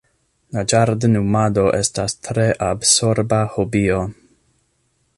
La ĝardenumado estas tre absorba hobio!